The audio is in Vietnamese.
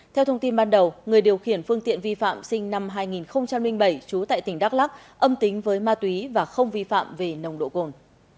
theo thông tin ban đầu người điều khiển phương tiện vi phạm sinh năm hai nghìn bảy trú tại tỉnh đắk lắc âm tính với ma túy và không vi phạm về nồng độ cồn